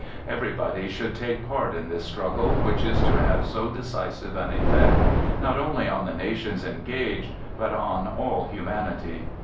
Everybody should take part in ! this struggle which is to have so decisive an effect, { not only on the nations engaged, but on all human ( ity.